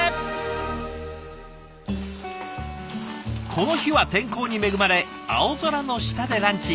この日は天候に恵まれ青空の下でランチ。